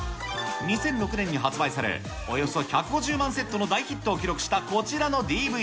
２００６年に発売され、およそ１５０万セットの大ヒットを記録したこちらのＤＶＤ。